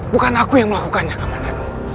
bukan aku yang melakukannya kak mananu